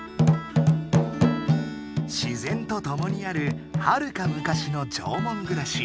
自然とともにあるはるか昔の縄文暮らし。